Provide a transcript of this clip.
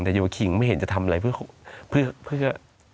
แต่โยคิงไม่เห็นจะทำอะไรเพื่อ